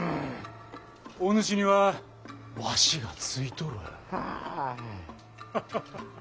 お主にはわしがついとる。